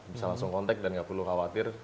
bisa langsung kontak dan nggak perlu khawatir